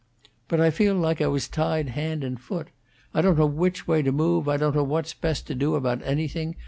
But I feel like I was tied hand and foot. I don't know which way to move; I don't know what's best to do about anything.